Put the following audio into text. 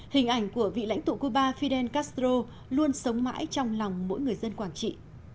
hình ảnh của vị lãnh tụ cuba fidel castro luôn sống mãi trong lòng mỗi người dân quảng trị